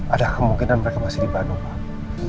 ada kemungkinan mereka masih di bandung pak